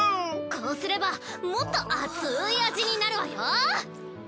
こうすればもっと熱い味になるわよ。